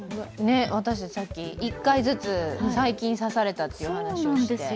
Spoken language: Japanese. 私たち、さっき１回ずつ最近刺されたという話をしてました。